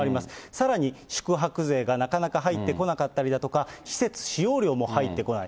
さらに宿泊税がなかなか入ってこなかったりだとか、施設使用料も入ってこない。